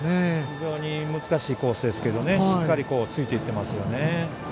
非常に難しいコースですけどしっかりついていってますね。